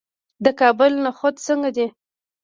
د کابل نخود څنګه دي؟